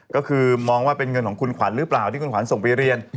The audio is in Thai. ก็คือมองว่าเป็นเงินของคุณขวัญหรือเปล่าที่คุณขวัญส่งไปเรียน